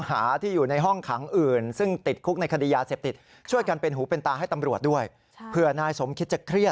ใช่แต่คือเขาก็มีอาการนะเพราะเขาบอกว่าเขาเพลีย